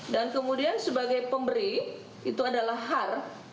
dan kemudian sebagai pemberi itu adalah har